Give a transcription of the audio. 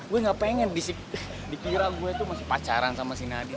gua ga pengen dikira gua itu masih pacaran sama si nadine